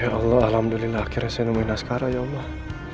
ya allah alhamdulillah akhirnya saya nemuin asgharah ya allah